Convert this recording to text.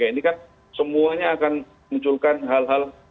ini kan semuanya akan munculkan hal hal